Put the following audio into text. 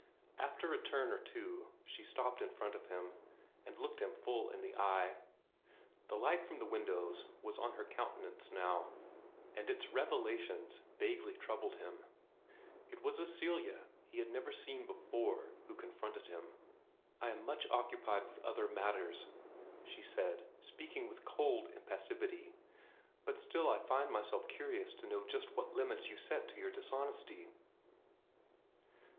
After a turn or two she stopped in front of him, and looked him full in the eye. The light from the windows was on her countenance now, and its revelations vaguely troubled him. It was a Celia he had never seen before who confronted him. "I am much occupied by other matters," she said, speaking with cold impassivity, "but still I find myself curious to know just what limits you set to your dishonesty."